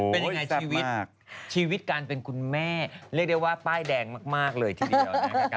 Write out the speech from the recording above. เป็นยังไงชีวิตชีวิตการเป็นคุณแม่เรียกได้ว่าป้ายแดงมากเลยทีเดียวนะครับ